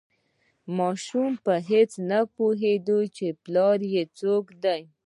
ماشوم په هیڅ نه پوهیده چې پلار یې څوک دی.